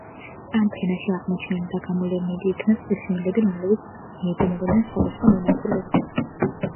ამ ფენაში აღმოჩენილი და გამოვლენილი იქნა წყლის მილები, რომლებიც მიედინებოდნენ სხვადასხვა მიმართულებით.